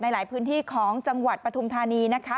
หลายพื้นที่ของจังหวัดปฐุมธานีนะคะ